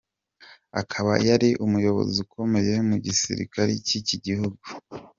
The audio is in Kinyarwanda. Akaba yari umuyobozi ukomeye mu gisirikare cy’iki gihugu.